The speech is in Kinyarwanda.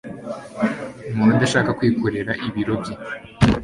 umuntu udashaka kwikorera ibiro bye